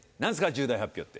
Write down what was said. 重大発表って。